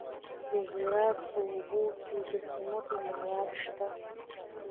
د هرات په اوبې کې د سمنټو مواد شته.